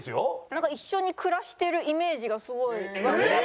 なんか一緒に暮らしてるイメージがすごい。